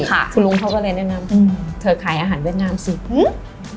คุณลุงเขาก็เลยแนะนำอืมเธอขายอาหารเวียดนามสิอืม